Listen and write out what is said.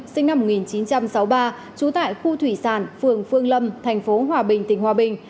sinh năm một nghìn chín trăm sáu mươi ba trú tại khu thủy sản phường phương lâm thành phố hòa bình tỉnh hòa bình